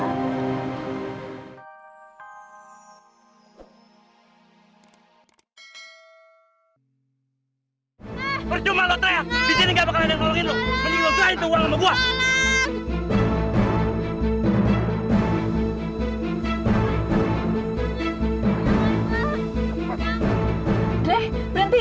perjumah lo treh